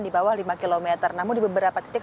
di bawah lima km namun di beberapa titik